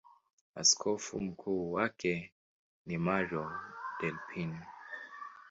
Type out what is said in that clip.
Askofu mkuu wake ni Mario Delpini.